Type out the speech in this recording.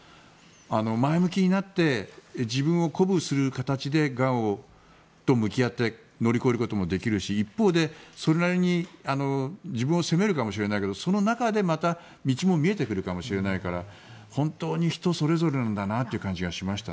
前向きになって自分を鼓舞する形でがんと向き合って乗り越えることもできるし一方でそれなりに自分を責めるかもしれないけどその中でまた道も見えてくるかもしれないから本当に人それぞれなんだなという感じがしました。